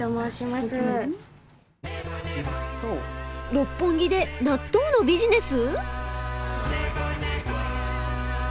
六本木で納豆のビジネス？